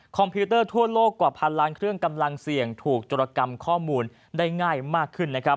พิวเตอร์ทั่วโลกกว่าพันล้านเครื่องกำลังเสี่ยงถูกจรกรรมข้อมูลได้ง่ายมากขึ้นนะครับ